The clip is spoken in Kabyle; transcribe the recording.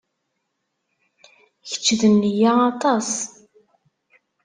Kecc d nniya aṭas.